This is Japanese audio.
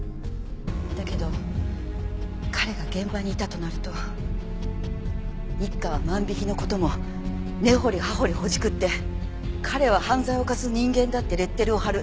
だけど彼が現場にいたとなると一課は万引きの事も根掘り葉掘りほじくって彼は犯罪を犯す人間だってレッテルを貼る。